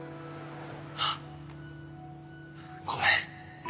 あごめん